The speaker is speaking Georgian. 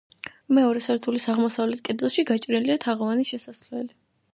მეორე სართულის აღმოსავლეთ კედელში გაჭრილია თაღოვანი შესასვლელი.